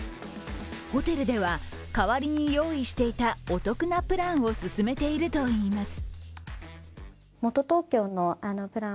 ホテルでは代わりに用意していたお得なプランを薦めているといいます。